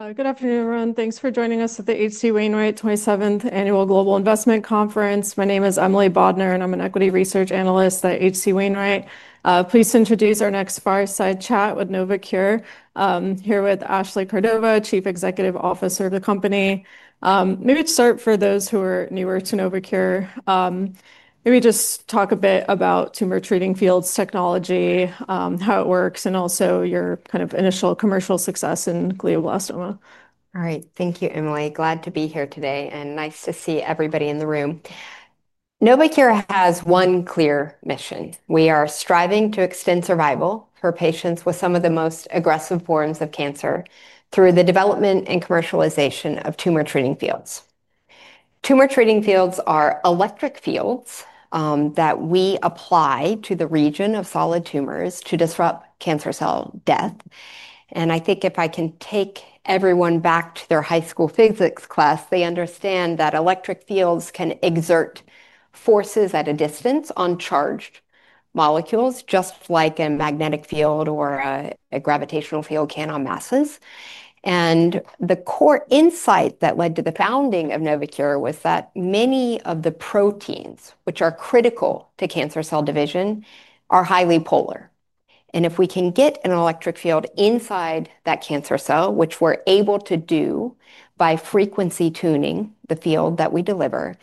Good afternoon, everyone. Thanks for joining us at the HC Wainwright 27th Annual Global Investment Conference. My name is Emily Bodner, and I'm an Equity Research Analyst at HC Wainwright. Please introduce our next fireside chat with Novocure. I'm here with Ashley Cordova, Chief Executive Officer of the company. Maybe to start, for those who are newer to Novocure, maybe just talk a bit about Tumor Treating Fields technology, how it works, and also your kind of initial commercial success in glioblastoma. All right. Thank you, Emily. Glad to be here today and nice to see everybody in the room. Novocure has one clear mission. We are striving to extend survival for patients with some of the most aggressive forms of cancer through the development and commercialization of Tumor Treating Fields. Tumor Treating Fields are electric fields that we apply to the region of solid tumors to disrupt cancer cell death. If I can take everyone back to their high school physics class, they understand that electric fields can exert forces at a distance on charged molecules, just like a magnetic field or a gravitational field can on masses. The core insight that led to the founding of Novocure was that many of the proteins, which are critical to cancer cell division, are highly polar. If we can get an electric field inside that cancer cell, which we're able to do by frequency tuning the field that we deliver,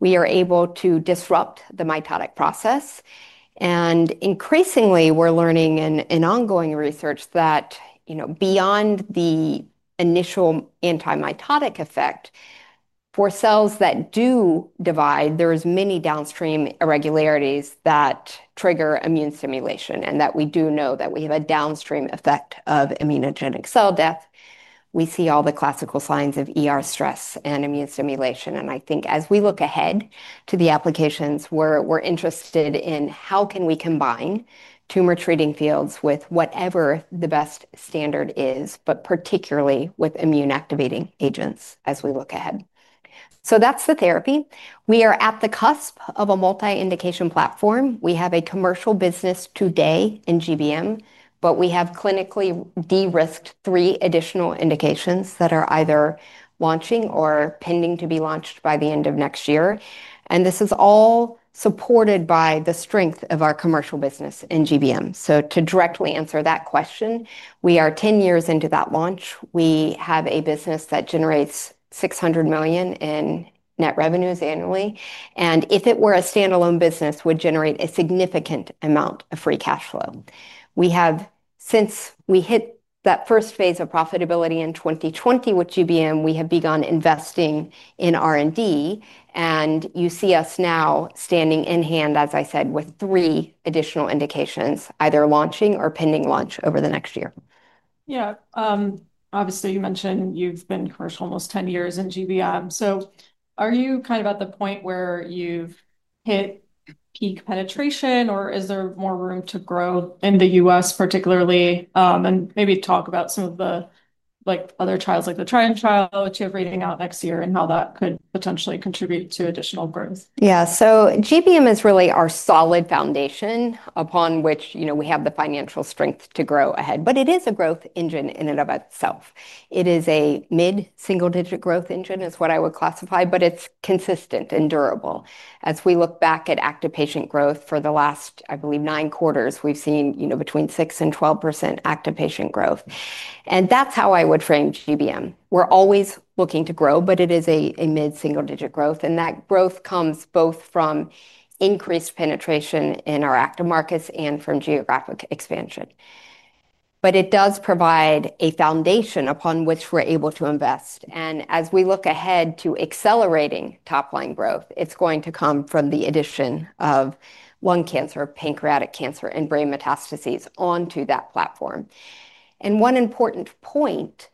we are able to disrupt the mitotic process. Increasingly, we're learning in ongoing research that, beyond the initial anti-mitotic effect, for cells that do divide, there are many downstream irregularities that trigger immune stimulation. We do know that we have a downstream effect of immunogenic cell death. We see all the classical signs of stress and immune stimulation. I think as we look ahead to the applications, we're interested in how can we combine Tumor Treating Fields with whatever the best standard is, particularly with immune activating agents as we look ahead. That's the therapy. We are at the cusp of a multi-indication platform. We have a commercial business today in GBM, but we have clinically de-risked three additional indications that are either launching or pending to be launched by the end of next year. This is all supported by the strength of our commercial business in GBM. To directly answer that question, we are 10 years into that launch. We have a business that generates $600 million in net revenues annually. If it were a standalone business, it would generate a significant amount of free cash flow. Since we hit that first phase of profitability in 2020 with GBM, we have begun investing in R&D. You see us now standing in hand, as I said, with three additional indications, either launching or pending launch over the next year. Yeah. Obviously, you mentioned you've been commercial almost 10 years in GBM. Are you kind of at the point where you've hit peak penetration, or is there more room to grow in the U.S. particularly? Maybe talk about some of the other trials, like the Trident trial, which you're reading out next year, and how that could potentially contribute to additional growth. Yeah. GBM is really our solid foundation upon which we have the financial strength to grow ahead. It is a growth engine in and of itself. It is a mid-single-digit growth engine, is what I would classify, but it's consistent and durable. As we look back at active patient growth for the last, I believe, nine quarters, we've seen between 6% and 12% active patient growth. That's how I would frame GBM. We're always looking to grow, but it is a mid-single-digit growth. That growth comes both from increased penetration in our active markets and from geographic expansion. It does provide a foundation upon which we're able to invest. As we look ahead to accelerating top-line growth, it's going to come from the addition of lung cancer, pancreatic cancer, and brain metastases onto that platform. One important point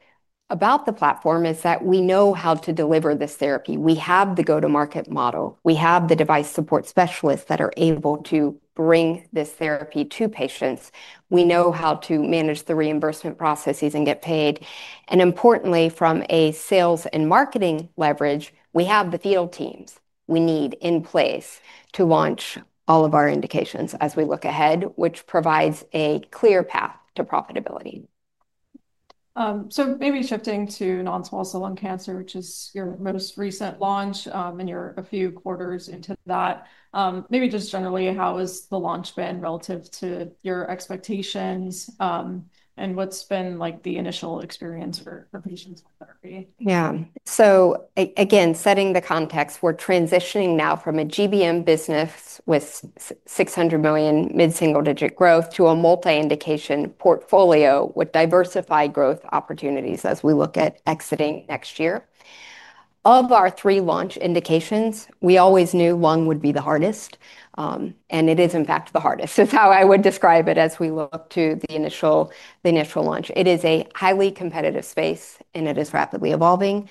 about the platform is that we know how to deliver this therapy. We have the go-to-market model. We have the device support specialists that are able to bring this therapy to patients. We know how to manage the reimbursement processes and get paid. Importantly, from a sales and marketing leverage, we have the field teams we need in place to launch all of our indications as we look ahead, which provides a clear path to profitability. Maybe shifting to non-small cell lung cancer, which is your most recent launch, and you're a few quarters into that. Maybe just generally, how has the launch been relative to your expectations? What's been like the initial experience for patients with therapy? Yeah. Setting the context, we're transitioning now from a GBM business with $600 million mid-single-digit growth to a multi-indication portfolio with diversified growth opportunities as we look at exiting next year. Of our three launch indications, we always knew lung would be the hardest. It is, in fact, the hardest, is how I would describe it as we look to the initial launch. It is a highly competitive space, and it is rapidly evolving.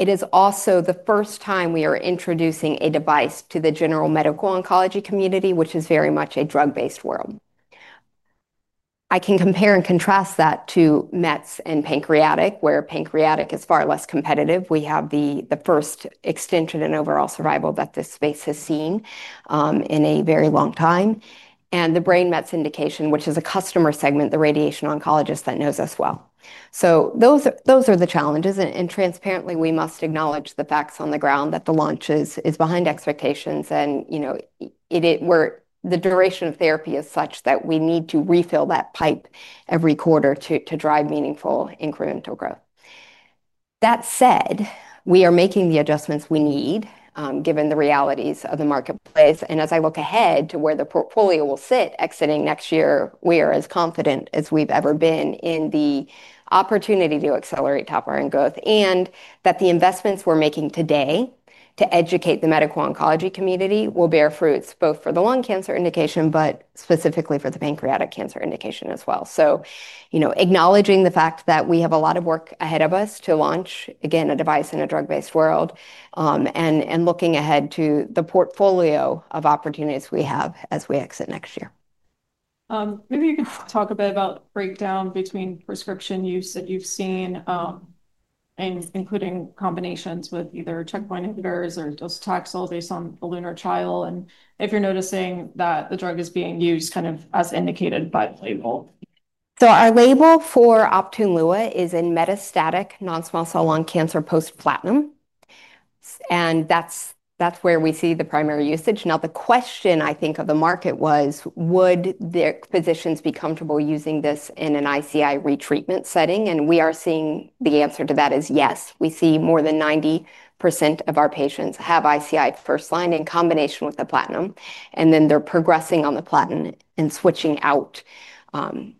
It is also the first time we are introducing a device to the general medical oncology community, which is very much a drug-based world. I can compare and contrast that to mets and pancreatic, where pancreatic is far less competitive. We have the first extension in overall survival that this space has seen in a very long time. The brain metastases indication, which is a customer segment, the radiation oncologist that knows us well. Those are the challenges. Transparently, we must acknowledge the facts on the ground that the launch is behind expectations. The duration of therapy is such that we need to refill that pipe every quarter to drive meaningful incremental growth. That said, we are making the adjustments we need given the realities of the marketplace. As I look ahead to where the portfolio will sit exiting next year, we are as confident as we've ever been in the opportunity to accelerate top-line growth. The investments we're making today to educate the medical oncology community will bear fruits both for the lung cancer indication, but specifically for the pancreatic cancer indication as well. Acknowledging the fact that we have a lot of work ahead of us to launch, again, a device in a drug-based world. Looking ahead to the portfolio of opportunities we have as we exit next year. Maybe you can talk a bit about the breakdown between prescription use that you've seen, including combinations with either checkpoint inhibitors or docetaxel based on the LUNAR trial. If you're noticing that the drug is being used kind of as indicated by the label. Our label for Optune Lua is in metastatic non-small cell lung cancer post-platinum, and that's where we see the primary usage. The question I think of the market was, would the physicians be comfortable using this in an ICI retreatment setting? We are seeing the answer to that is yes. We see more than 90% of our patients have ICI first line in combination with the platinum, and then they're progressing on the platinum and switching out for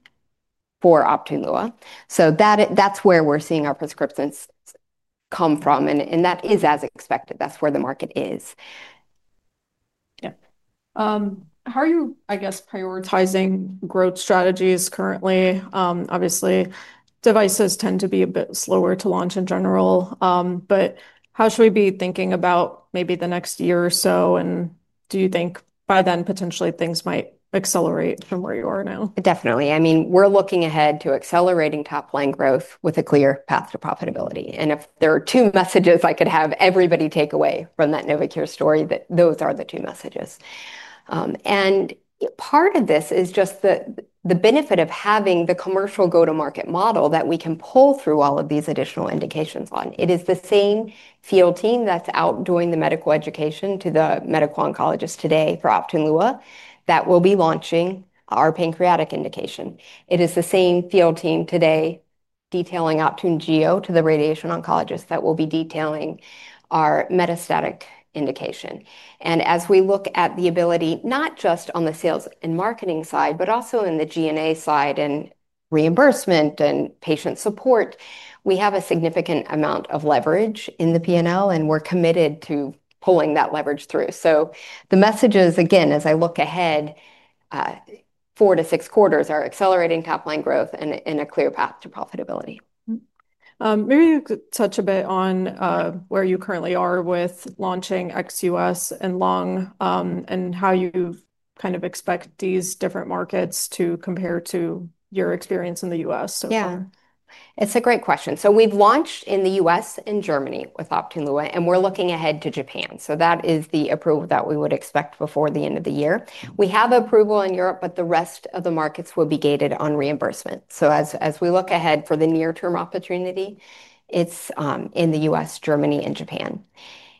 Optune Lua. That's where we're seeing our prescriptions come from, and that is as expected. That's where the market is. How are you, I guess, prioritizing growth strategies currently? Obviously, devices tend to be a bit slower to launch in general. How should we be thinking about maybe the next year or so? Do you think by then potentially things might accelerate from where you are now? Definitely. I mean, we're looking ahead to accelerating top-line growth with a clear path to profitability. If there are two messages I could have everybody take away from that Novocure story, those are the two messages. Part of this is just the benefit of having the commercial go-to-market model that we can pull through all of these additional indications on. It is the same field team that's out doing the medical education to the medical oncologist today for Optune Lua that will be launching our pancreatic indication. It is the same field team today detailing Optune Lua to the radiation oncologist that will be detailing our metastatic indication. As we look at the ability, not just on the sales and marketing side, but also in the G&A side and reimbursement and patient support, we have a significant amount of leverage in the P&L, and we're committed to pulling that leverage through. The message is, again, as I look ahead, four to six quarters are accelerating top-line growth and in a clear path to profitability. Maybe you could touch a bit on where you currently are with launching outside the US and lung, and how you kind of expect these different markets to compare to your experience in the US. Yeah. It's a great question. We've launched in the U.S. and Germany with Optune Lua, and we're looking ahead to Japan. That is the approval that we would expect before the end of the year. We have approval in Europe, but the rest of the markets will be gated on reimbursement. As we look ahead for the near-term opportunity, it's in the U.S., Germany, and Japan.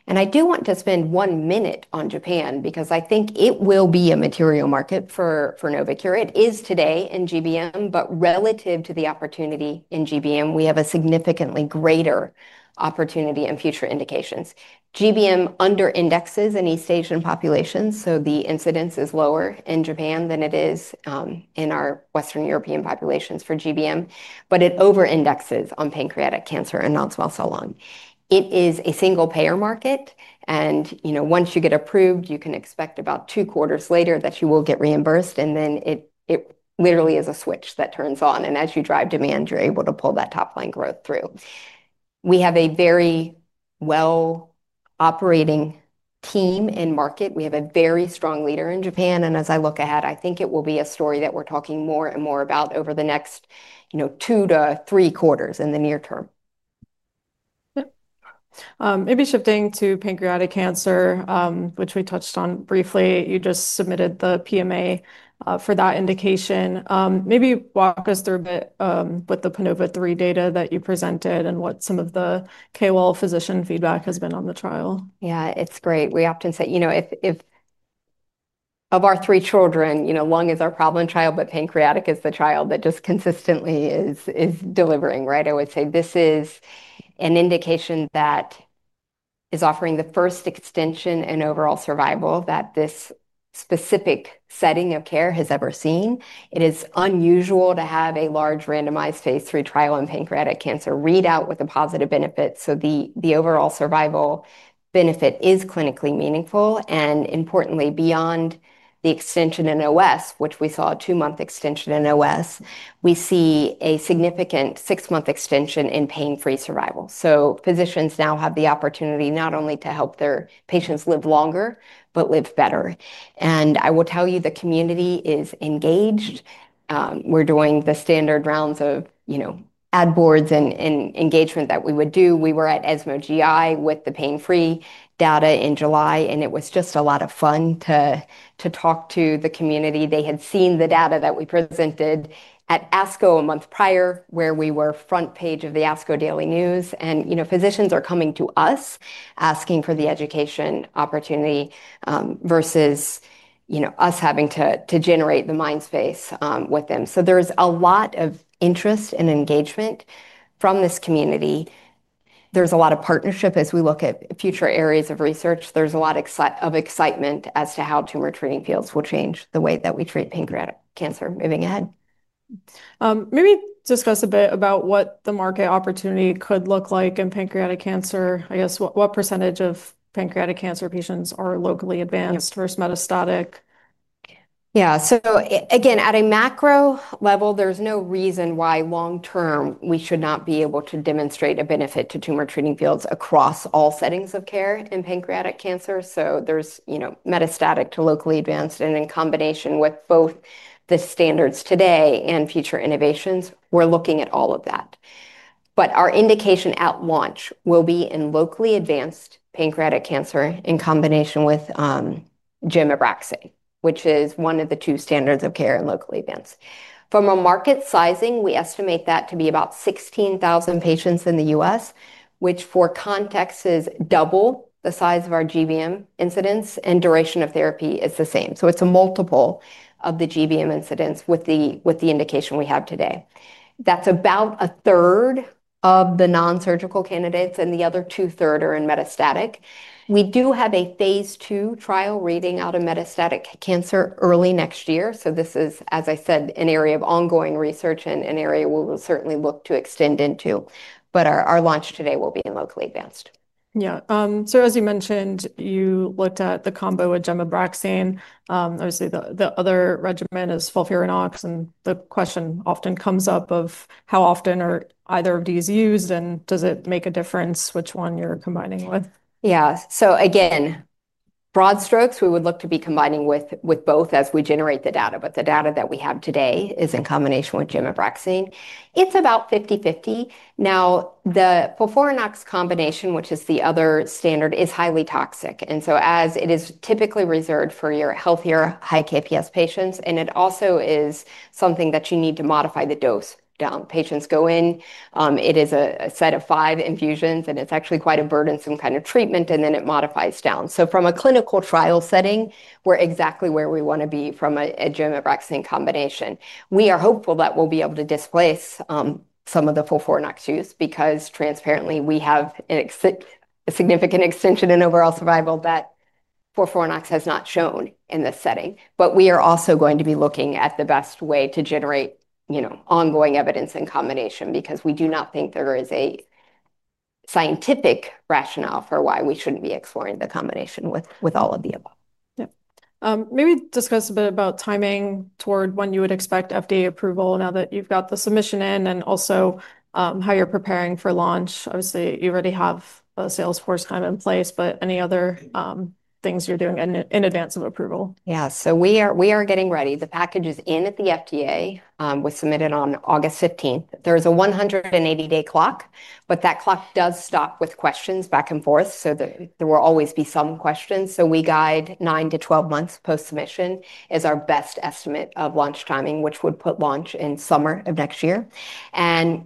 I do want to spend one minute on Japan because I think it will be a material market for Novocure. It is today in GBM, but relative to the opportunity in GBM, we have a significantly greater opportunity in future indications. GBM under-indexes in East Asian populations, so the incidence is lower in Japan than it is in our Western European populations for GBM. It over-indexes on pancreatic cancer and non-small cell lung cancer. It is a single-payer market. Once you get approved, you can expect about two quarters later that you will get reimbursed. It literally is a switch that turns on. As you drive demand, you're able to pull that top-line growth through. We have a very well-operating team in market. We have a very strong leader in Japan. As I look ahead, I think it will be a story that we're talking more and more about over the next two to three quarters in the near term. Maybe shifting to pancreatic cancer, which we touched on briefly. You just submitted the PMA for that indication. Maybe walk us through a bit with the PINOVA-4 data that you presented and what some of the KOL physician feedback has been on the trial. Yeah, it's great. We often say, you know, if of our three children, you know, lung is our problem child, but pancreatic is the child that just consistently is delivering, right? I would say this is an indication that is offering the first extension in overall survival that this specific setting of care has ever seen. It is unusual to have a large randomized phase 3 trial in pancreatic cancer read out with a positive benefit. The overall survival benefit is clinically meaningful. Importantly, beyond the extension in OS, which we saw a two-month extension in OS, we see a significant six-month extension in pain-free survival. Physicians now have the opportunity not only to help their patients live longer, but live better. I will tell you, the community is engaged. We're doing the standard rounds of, you know, ad boards and engagement that we would do. We were at ESMO GI with the pain-free data in July, and it was just a lot of fun to talk to the community. They had seen the data that we presented at ASCO a month prior, where we were front page of the ASCO Daily News. Physicians are coming to us asking for the education opportunity versus, you know, us having to generate the mind space with them. There's a lot of interest and engagement from this community. There's a lot of partnership as we look at future areas of research. There's a lot of excitement as to how Tumor Treating Fields will change the way that we treat pancreatic cancer moving ahead. Maybe discuss a bit about what the market opportunity could look like in pancreatic cancer. I guess, what % of pancreatic cancer patients are locally advanced versus metastatic? Yeah. Again, at a macro level, there's no reason why long-term we should not be able to demonstrate a benefit to Tumor Treating Fields across all settings of care in pancreatic cancer. There's metastatic to locally advanced, and in combination with both the standards today and future innovations, we're looking at all of that. Our indication at launch will be in locally advanced pancreatic cancer in combination with gemabraxi, which is one of the two standards of care in locally advanced. From a market sizing, we estimate that to be about 16,000 patients in the U.S., which for context is double the size of our GBM incidence, and duration of therapy is the same. It's a multiple of the GBM incidence with the indication we have today. That's about a third of the non-surgical candidates, and the other two-thirds are in metastatic. We do have a phase two trial reading out of metastatic cancer early next year. This is, as I said, an area of ongoing research and an area we will certainly look to extend into. Our launch today will be in locally advanced. Yeah. As you mentioned, you looked at the combo with gemabraxine. Obviously, the other regimen is Folfirinox. The question often comes up of how often are either of these used, and does it make a difference which one you're combining with? Yeah. Again, broad strokes, we would look to be combining with both as we generate the data. The data that we have today is in combination with gemabraxine. It's about 50-50. Now, the Folfirinox combination, which is the other standard, is highly toxic. It is typically reserved for your healthier, high-KPS patients, and it also is something that you need to modify the dose down. Patients go in, it is a set of five infusions, and it's actually quite a burdensome kind of treatment, and then it modifies down. From a clinical trial setting, we're exactly where we want to be from a gemabraxine combination. We are hopeful that we'll be able to displace some of the Folfirinox use because transparently, we have a significant extension in overall survival that Folfirinox has not shown in this setting. We are also going to be looking at the best way to generate ongoing evidence in combination because we do not think there is a scientific rationale for why we shouldn't be exploring the combination with all of the above. Maybe discuss a bit about timing toward when you would expect FDA approval now that you've got the submission in and also how you're preparing for launch. Obviously, you already have a sales force kind of in place, but any other things you're doing in advance of approval? Yeah. We are getting ready. The package is in at the FDA. It was submitted on August 15. There is a 180-day clock, but that clock does stop with questions back and forth. There will always be some questions. We guide nine to 12 months post-submission as our best estimate of launch timing, which would put launch in summer of next year.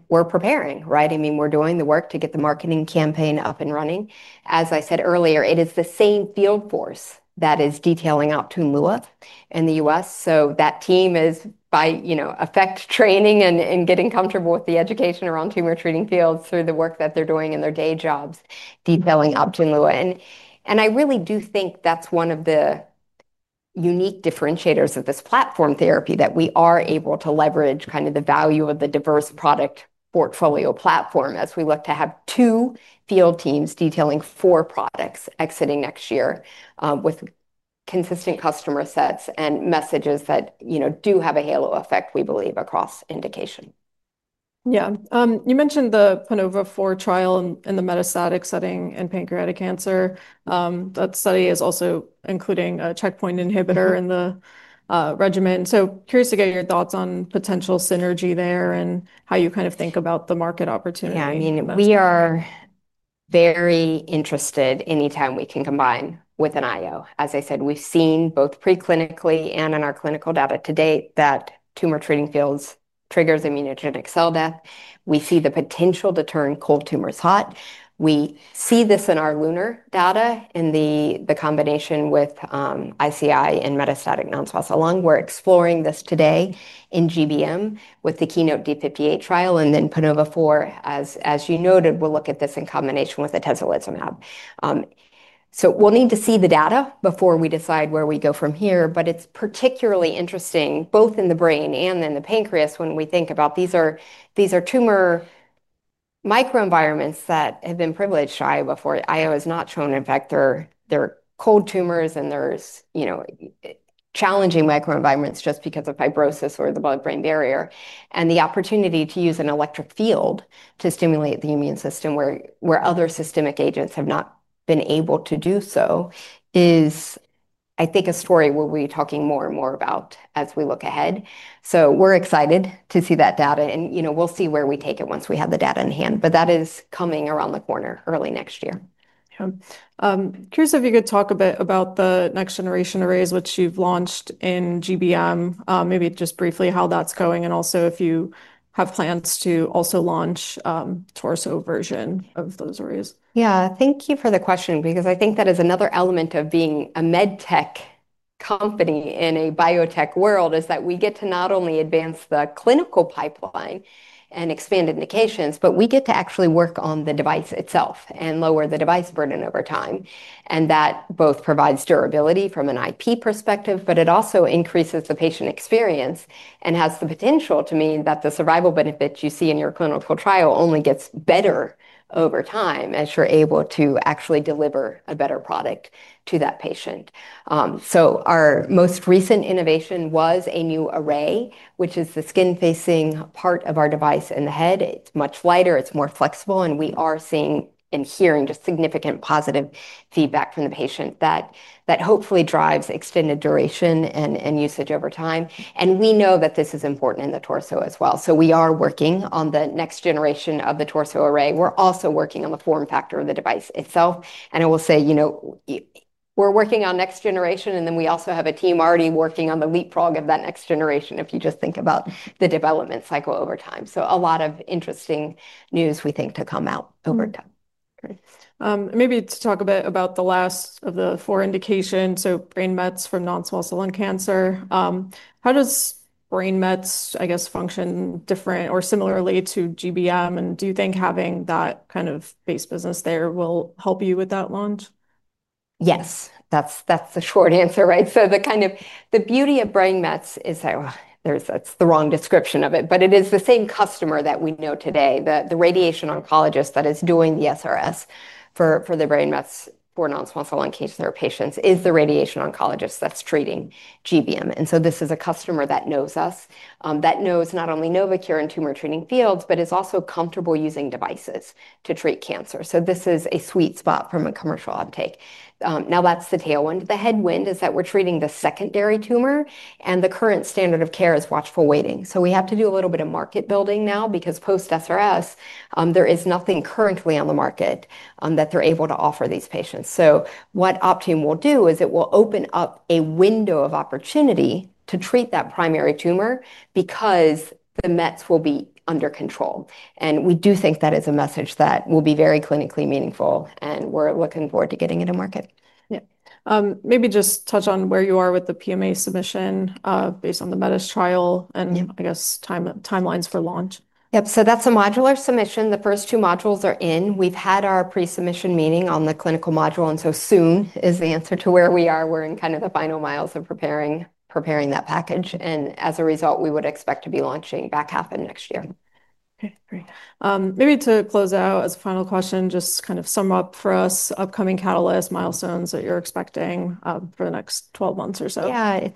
We're preparing, right? We're doing the work to get the marketing campaign up and running. As I said earlier, it is the same field force that is detailing Optune Lua in the U.S. That team is, by effect, training and getting comfortable with the education around Tumor Treating Fields through the work that they're doing in their day jobs detailing Optune Lua. I really do think that's one of the unique differentiators of this platform therapy, that we are able to leverage the value of the diverse product portfolio platform as we look to have two field teams detailing four products exiting next year with consistent customer sets and messages that do have a halo effect, we believe, across indication. Yeah. You mentioned the PINOVA-4 trial in the metastatic setting in pancreatic cancer. That study is also including a checkpoint inhibitor in the regimen. Curious to get your thoughts on potential synergy there and how you kind of think about the market opportunity. Yeah. I mean, we are very interested anytime we can combine with an IO. As I said, we've seen both preclinically and in our clinical data to date that Tumor Treating Fields trigger immunogenic cell death. We see the potential to turn cold tumors hot. We see this in our LUNAR data in the combination with ICI and metastatic non-small cell lung. We're exploring this today in GBM with the KEYNOTE D58 trial and then PINOVA-4. As you noted, we'll look at this in combination with atezolizumab. We need to see the data before we decide where we go from here. It's particularly interesting both in the brain and in the pancreas when we think about these are tumor microenvironments that have been privileged to IO before. IO has not shown an effect, they're cold tumors and there's, you know, challenging microenvironments just because of fibrosis or the blood-brain barrier. The opportunity to use an electric field to stimulate the immune system where other systemic agents have not been able to do so is, I think, a story we'll be talking more and more about as we look ahead. We're excited to see that data, and we'll see where we take it once we have the data in hand. That is coming around the corner early next year. Yeah. Curious if you could talk a bit about the next generation arrays, which you've launched in GBM. Maybe just briefly how that's going and also if you have plans to also launch a torso version of those arrays. Thank you for the question because I think that is another element of being a medtech company in a biotech world. We get to not only advance the clinical pipeline and expand indications, but we get to actually work on the device itself and lower the device burden over time. That both provides durability from an IP perspective, but it also increases the patient experience and has the potential to mean that the survival benefits you see in your clinical trial only get better over time as you're able to actually deliver a better product to that patient. Our most recent innovation was a new array, which is the skin-facing part of our device in the head. It's much lighter, it's more flexible, and we are seeing and hearing just significant positive feedback from the patient that hopefully drives extended duration and usage over time. We know that this is important in the torso as well. We are working on the next generation of the torso array. We're also working on the form factor of the device itself. I will say, you know, we're working on next generation, and then we also have a team already working on the leapfrog of that next generation if you just think about the development cycle over time. A lot of interesting news we think to come out over time. Maybe to talk a bit about the last of the four indications. Brain metastases from non-small cell lung cancer. How does brain metastases, I guess, function different or similarly to GBM? Do you think having that kind of base business there will help you with that launch? Yes. That's the short answer, right? The kind of the beauty of brain metastases is that, that's the wrong description of it, but it is the same customer that we know today. The radiation oncologist that is doing the SRS for the brain metastases for non-small cell lung cancer patients is the radiation oncologist that's treating glioblastoma (GBM). This is a customer that knows us, that knows not only Novocure and Tumor Treating Fields, but is also comfortable using devices to treat cancer. This is a sweet spot from a commercial uptake. Now that's the tailwind. The headwind is that we're treating the secondary tumor, and the current standard of care is watchful waiting. We have to do a little bit of market building now because post-SRS, there is nothing currently on the market that they're able to offer these patients. What Optune Lua will do is it will open up a window of opportunity to treat that primary tumor because the metastases will be under control. We do think that is a message that will be very clinically meaningful, and we're looking forward to getting it to market. Maybe just touch on where you are with the PMA submission based on the METIS trial, and I guess timelines for launch. That's a modular submission. The first two modules are in. We've had our pre-submission meeting on the clinical module, and soon is the answer to where we are. We're in the final miles of preparing that package. As a result, we would expect to be launching back half of next year. Okay. Great. Maybe to close out as a final question, just kind of sum up for us upcoming catalyst milestones that you're expecting for the next 12 months or so. Yeah.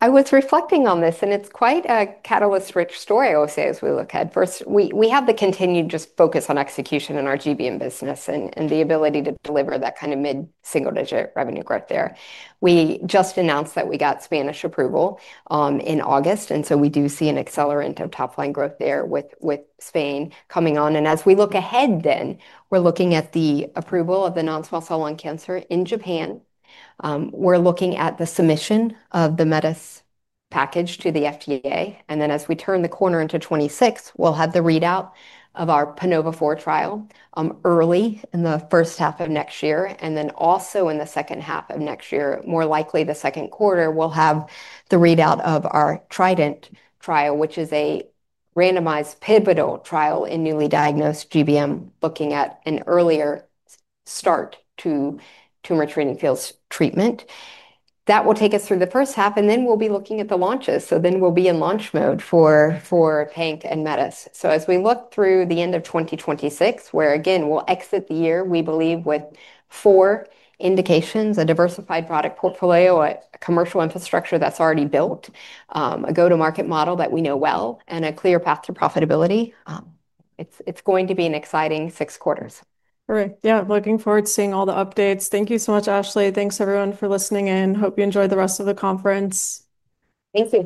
I was reflecting on this, and it's quite a catalyst-rich story, I will say, as we look ahead. First, we have the continued just focus on execution in our GBM business and the ability to deliver that kind of mid-single-digit revenue growth there. We just announced that we got Spanish approval in August, and we do see an accelerant of top-line growth there with Spain coming on. As we look ahead, we're looking at the approval of the non-small cell lung cancer in Japan. We're looking at the submission of the metas package to the FDA. As we turn the corner into 2026, we'll have the readout of our PINOVA-4 trial early in the first half of next year. Also, in the second half of next year, more likely the second quarter, we'll have the readout of our Trident trial, which is a randomized pivotal trial in newly diagnosed GBM, looking at an earlier start to Tumor Treating Fields treatment. That will take us through the first half, and we'll be looking at the launches. We'll be in launch mode for PANK and metas. As we look through the end of 2026, where again we'll exit the year, we believe with four indications, a diversified product portfolio, a commercial infrastructure that's already built, a go-to-market model that we know well, and a clear path to profitability. It's going to be an exciting six quarters. All right. Yeah, looking forward to seeing all the updates. Thank you so much, Ashley. Thanks, everyone, for listening in. Hope you enjoy the rest of the conference. Thanks, Emily.